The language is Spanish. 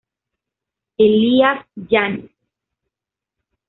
Elías Yanes.